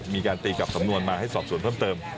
มีการตีกับสำนวนมาให้สอบสวนเพิ่มเติม